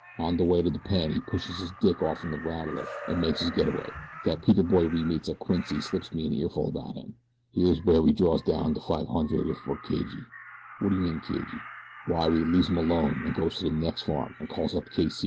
On de way to de pen he pushes dis dick off'n de rattler an' makes his get away. Dat peter boy we meets at Quincy slips me an earful about him. Here's w'ere we draws down de five hundred if we're cagey." "Whaddaya mean, cagey?" "Why we leaves 'em alone an' goes to de nex' farm an' calls up K. C.